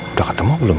udah ketemu belum